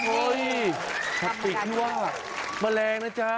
โอ้ยถัดติดที่ว่าแมลงนะจ๊ะ